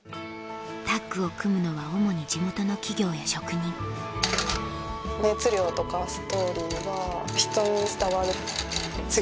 タッグを組むのは主に地元の企業や職人と思います。